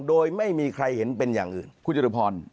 โดยไม่มีใครเห็นเป็นอย่างอื่น